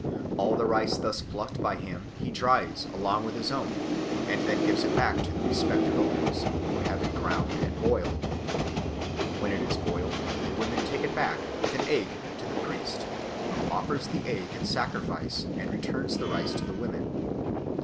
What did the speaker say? All the rice thus plucked by him he dries along with his own, and then gives it back to the respective owners, who have it ground and boiled. When it is boiled the women take it back, with an egg, to the priest, who offers the egg in sacrifice and returns the rice to the women.